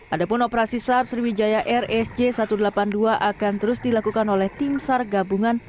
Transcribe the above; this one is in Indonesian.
adapun operasi sar sriwijaya rsj satu ratus delapan puluh dua akan terus dilakukan oleh tim sar gabungan